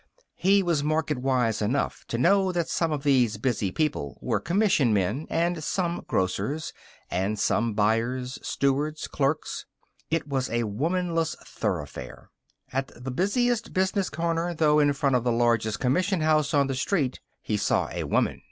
He was marketwise enough to know that some of these busy people were commission men, and some grocers, and some buyers, stewards, clerks. It was a womanless thoroughfare. At the busiest business corner, though, in front of the largest commission house on the street, he saw a woman.